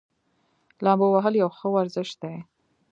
لامبو وهل یو ښه ورزش دی.